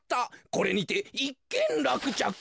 これにていっけんらくちゃく。